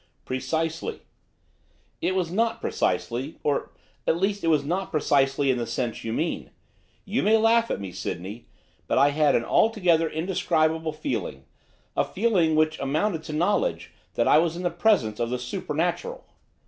'Precisely.' 'It was not precisely, or, at least, it was not precisely in the sense you mean. You may laugh at me, Sydney, but I had an altogether indescribable feeling, a feeling which amounted to knowledge, that I was in the presence of the supernatural.